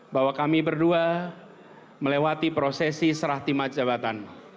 bahwa kami berdua melewati prosesi serah timat jabatan